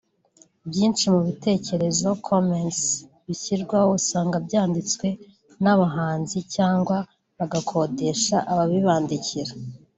byinshi mu bitekerezo[comments] bishyirwaho usanga byanditswe n’abahanzi cyangwa bagakodesha ababibandikira